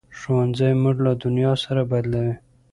ښوونځی موږ له دنیا سره بلدوي